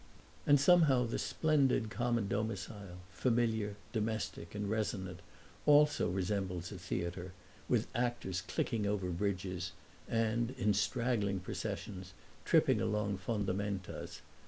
And somehow the splendid common domicile, familiar, domestic, and resonant, also resembles a theater, with actors clicking over bridges and, in straggling processions, tripping along fondamentas.